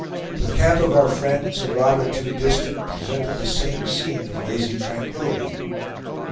The camp of our friends, a rod or two distant, presented the same scene of lazy tranquillity.